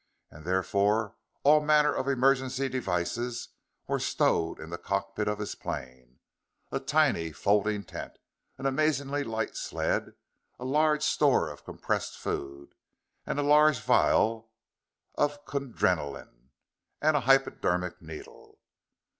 And therefore all manner of emergency devices were stowed in the cockpit of his plane: a tiny folding tent, an amazingly light sled, a large store of compressed food and a large vial of Kundrenaline and a hypodermic needle.